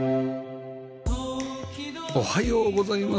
おはようございます。